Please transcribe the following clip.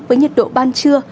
với nhiệt độ ban trưa